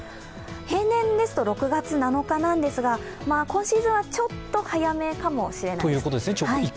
平年ですと６月７日なんですが今シーズンはちょっと早めかもしれません。